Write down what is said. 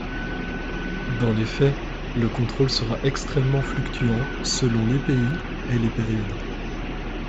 Dans les faits, le contrôle sera extrêmement fluctuant selon les pays et les périodes.